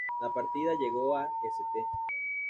La partida llegó a St.